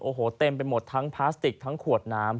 โอ้โหเต็มไปหมดทั้งพลาสติกทั้งขวดน้ำ